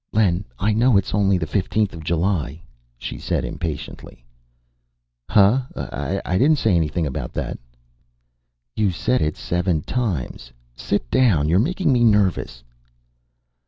"Len, I know it's only the fifteenth of July," she said impatiently. "Huh? I didn't say anything about that." "You said it seven times. Sit down. You're making me nervous."